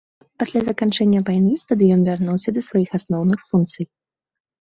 Пасля заканчэння вайны стадыён вярнуўся да сваіх асноўных функцый.